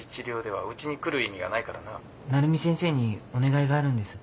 鳴海先生にお願いがあるんです。